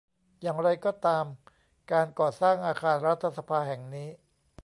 อย่างไรก็ตามการก่อสร้างอาคารรัฐสภาแห่งนี้